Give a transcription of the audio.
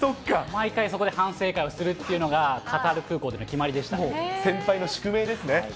毎回、そこで反省会をするっていうのが、カタール空港での決先輩の宿命ですね。